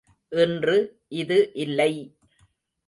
இன்று இது இல்லை!